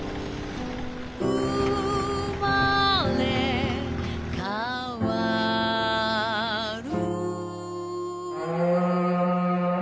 「うまれかわる」